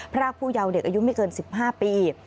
รากผู้เยาว์เด็กอายุไม่เกิน๑๕ปี